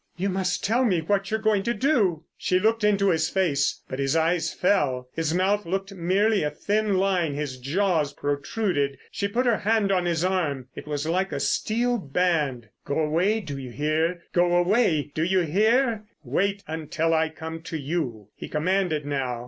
"You must tell me what you're going to do." She looked into his face, but his eyes fell. His mouth looked merely a thin line, his jaws protruded. She put her hand on his arm—it was like a steel band. "Go away, do you hear! Go away, do you hear! Wait until I come to you." He commanded now.